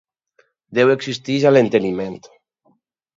Déu existeix a l'enteniment.